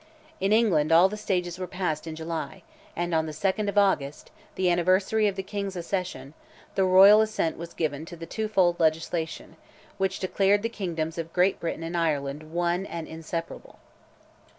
In England all the stages were passed in July, and on the 2nd of August, the anniversary of the King's accession, the royal assent was given to the twofold legislation, which declared the kingdoms of Great Britain and Ireland one and inseparable!